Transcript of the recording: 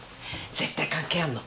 絶対関係あんの。